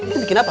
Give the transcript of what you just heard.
itu bikin apa